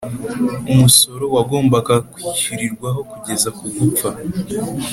umusoro wagombaga kwishyurirwaho kugeza ku gupfa